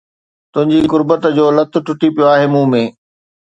تنهنجي قربت جو لت ٽٽي پيو آهي مون ۾